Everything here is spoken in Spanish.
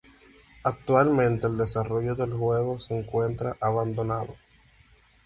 Actualmente el desarrollo del juego se encuentra abandonado.